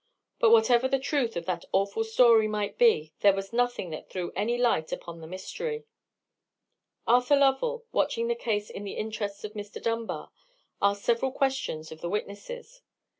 But whatever the truth of that awful story might be, there was nothing that threw any light upon the mystery. Arthur Lovell, watching the case in the interests of Mr. Dunbar, asked several questions of the witnesses.